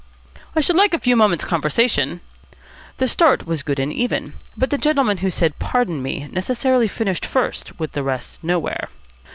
"I should like a few moments' conversation." The start was good and even; but the gentleman who said "Pardon me!" necessarily finished first with the rest nowhere.